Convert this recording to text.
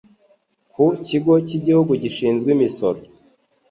ku Kigo cy'igihugu gishinzwe imisoro